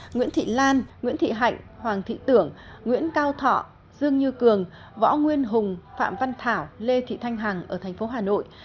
nguyễn thị lan nguyễn thị hạnh hoàng thị tưởng nguyễn cao thọ dương như cường võ nguyên hùng phạm văn thảo lê thị thanh hằng ở tp hà nội